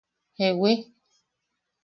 ¿Jewi?